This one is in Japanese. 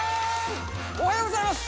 おはようございます。